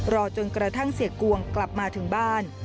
รอจนกระทั่งเสียกวงกลับมาถึงบ้าน